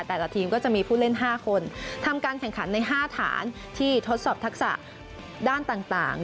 แต่ละทีมก็จะมีผู้เล่น๕คนทำการแข่งขันใน๕ฐานที่ทดสอบทักษะด้านต่าง